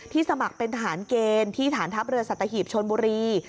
สมัครเป็นทหารเกณฑ์ที่ฐานทัพเรือสัตหีบชนบุรี